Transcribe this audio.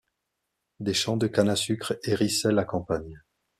Des champs de cannes à sucre hérissaient la campagne